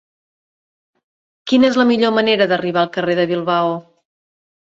Quina és la millor manera d'arribar al carrer de Bilbao?